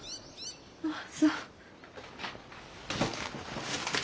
あっそう。